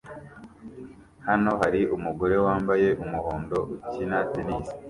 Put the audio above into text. Hano hari umugore wambaye umuhondo ukina tennis